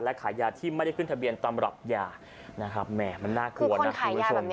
และขายยาที่ไม่ได้ขึ้นทะเบียนตำรับยานะครับแหม่มันน่ากลัวนะคุณผู้ชม